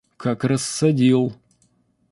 Как рассадил!